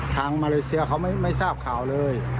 มาเลเซียเขาไม่ทราบข่าวเลย